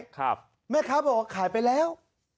ครับแม่ค้าบอกว่าขายไปแล้ว